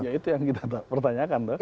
ya itu yang kita pertanyakan dong